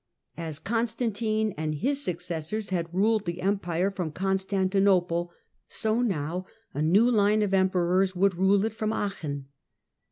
As Con stantine and his successors had ruled the Empire from Constantinople, so now a new line of emperors would rule it from Aachen.